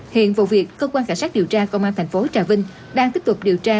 hiện vụ việc cơ quan cảnh sát điều tra công an tp trà vinh đang tiếp tục điều tra